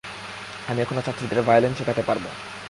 আমি এখনো ছাত্রীদের ভায়োলিন শেখাতে পারবো।